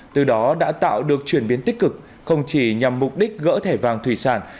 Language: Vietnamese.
từ đó đã tạo được chuyển biến tích cực không chỉ nhằm mục đích gỡ thẻ vàng thủy sản